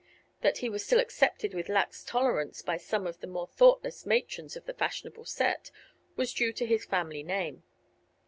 That he was still accepted with lax tolerance by some of the more thoughtless matrons of the fashionable set was due to his family name.